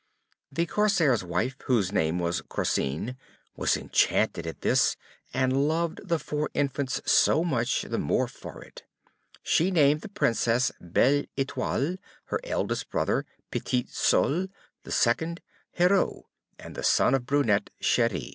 The Corsair's wife, whose name was Corsine, was enchanted at this, and loved the four infants so much the more for it. She named the Princess, Belle Etoile, her eldest brother, Petit Soleil, the second, Heureux, and the son of Brunette, Cheri.